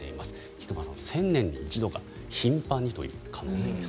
菊間さん、１０００年に一度が頻繁にという可能性です。